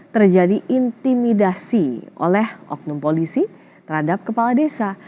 terjadi intimidasi oleh oknum polisi terhadap kepala desa